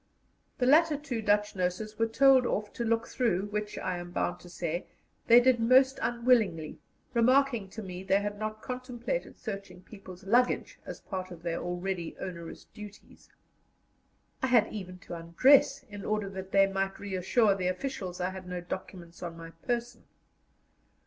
The latter two Dutch nurses were told off to look through, which, I am bound to say, they did most unwillingly, remarking to me they had not contemplated searching people's luggage as part of their already onerous duties. I had even to undress, in order that they might reassure the officials I had no documents on my person.